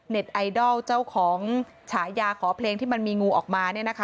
ไอดอลเจ้าของฉายาขอเพลงที่มันมีงูออกมา